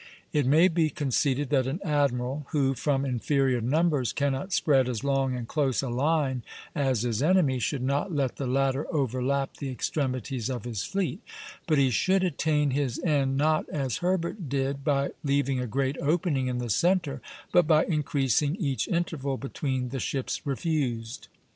It may be conceded that an admiral who, from inferior numbers, cannot spread as long and close a line as his enemy, should not let the latter overlap the extremities of his fleet; but he should attain his end not, as Herbert did, by leaving a great opening in the centre, but by increasing each interval between the ships refused.